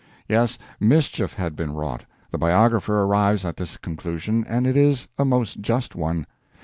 Yes, mischief had been wrought. The biographer arrives at this conclusion, and it is a most just one.